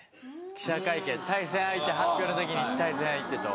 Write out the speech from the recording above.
記者会見対戦相手発表の時に対戦相手と。